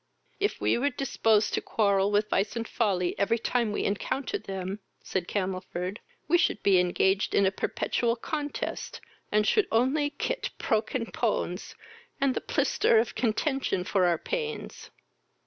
"If we were disposed to quarrel with vice and folly every time we encounter them, (said Camelford,) we should be engaged in a perpetual contest, and should only ket proken pones and the plister of contention for our pains."